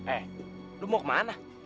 eh lu mau kemana